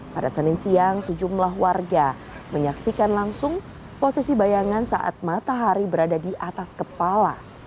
pada senin siang sejumlah warga menyaksikan langsung posisi bayangan saat matahari berada di atas kepala